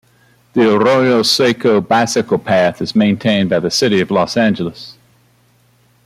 The Arroyo Seco Bicycle Path is maintained by City of Los Angeles.